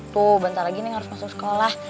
tuh bentar lagi ini harus masuk sekolah